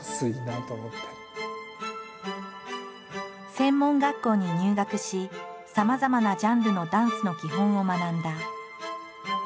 専門学校に入学しさまざまなジャンルのダンスの基本を学んだ。